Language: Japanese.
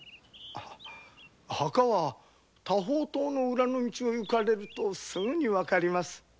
墓は多宝塔の裏の道を行かれるとすぐ分かります。